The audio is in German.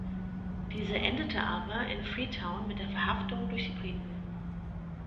Diese endete aber in Freetown mit der Verhaftung durch die Briten.